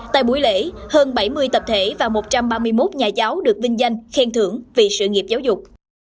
tại buổi lễ hơn bảy mươi tập thể và một trăm ba mươi một nhà giáo được vinh danh khen thưởng vì sự nghiệp giáo dục